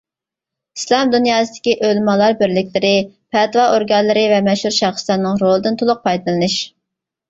ئىسلام دۇنياسىدىكى ئۆلىمالار بىرلىكلىرى، پەتىۋا ئورگانلىرى ۋە مەشھۇر شەخسلەرنىڭ رولىدىن تولۇق پايدىلىنىش.